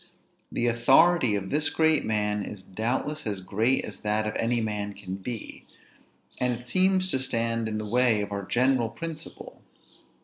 The authority of this great man is doubtless as great as that of any man can be, and it seems to stand in the way of our general principle.